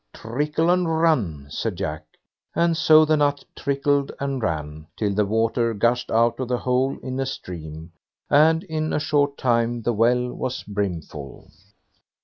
"Trickle and run", said Jack; and so the nut trickled and ran, till the water gushed out of the hole in a stream, and in a short time the well was brimfull.